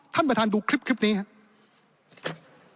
ท่านประธานดูคลิปนี้ครับ